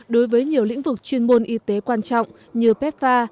đối với nhiều lĩnh vực chuyên môn y tế quan trọng như pefa